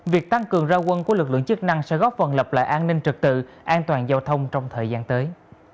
việc tăng cường ra quân của lực lượng chức năng sẽ góp phần lập lại an ninh trật tự an toàn giao thông trong thời gian tới